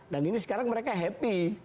dan ini sekarang mereka happy